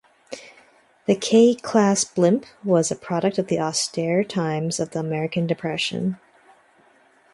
The "K"-class blimp was a product of the austere times of the American depression.